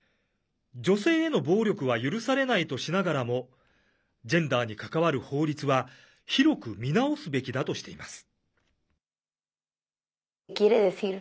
女性への暴力は許されないとしながらもジェンダーに関わる法律は広く見直すべきだとしています。